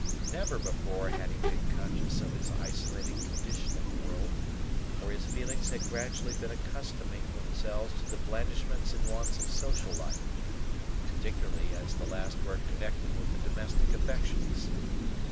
Never before had he been conscious of his isolated condition in the world; for his feelings had gradually been accustoming themselves to the blandishments and wants of social life; particularly as the last were connected with the domestic affections.